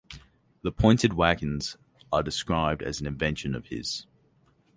The pointed wagons are described as an invention of his.